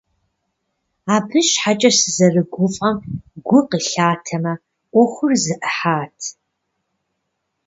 Абы щхьэкӀэ сызэрыгуфӀэм гу къылъатэмэ, Ӏуэхур зэӀыхьат.